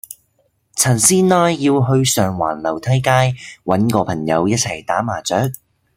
陳師奶要去上環樓梯街搵個朋友一齊打麻雀